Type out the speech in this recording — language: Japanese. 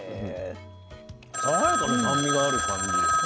爽やかな酸味がある感じ。